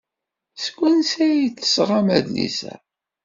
Seg wansi ay d-tesɣam adlis-a?